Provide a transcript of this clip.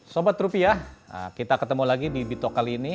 sobat rupiah kita ketemu lagi di bito kali ini